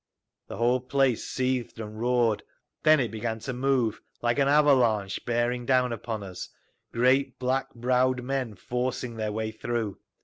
The whole place seethed and roared. Then it began to move, like an avalanche bearing down upon us, great black browed men forcing their way through.